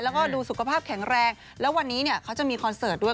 แล้วก็ดูสุขภาพแข็งแรงแล้ววันนี้เนี่ยเขาจะมีคอนเสิร์ตด้วย